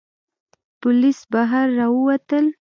پوليس بهر را ووتل.